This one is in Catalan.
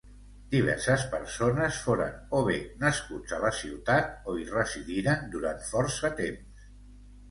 Diverses persones foren o bé nascuts a la ciutat o hi residiren durant força temps.